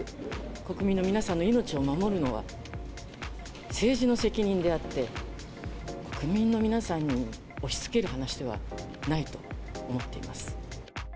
国民の皆さんの命を守るのは政治の責任であって、国民の皆さんに押しつける話ではないと思っています。